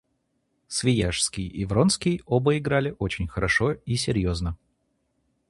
Свияжский и Вронский оба играли очень хорошо и серьезно.